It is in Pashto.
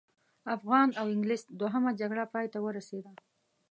افغان او انګلیس دوهمه جګړه پای ته ورسېده.